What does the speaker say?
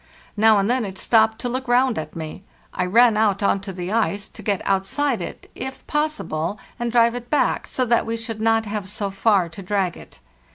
Now and then it stopped to look round at me. I ran out on to the ice, to get outside it, if possible, and drive it back, so that we should not have so far to drag it.